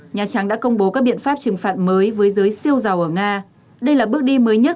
nhà trắng đã công bố các biện pháp trừng phạt mới với giới siêu giàu ở nga đây là bước đi mới nhất